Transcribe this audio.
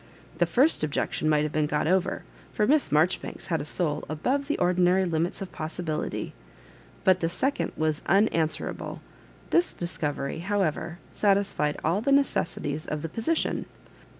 The first objection might have been got over, for Miss Marjoribanks had a soul above the ordinary limits of possibility, but the second wias unan swerable. This discovery, however, satisfied all the necessities of the position.